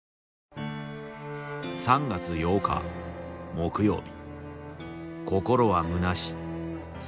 三月八日木曜日。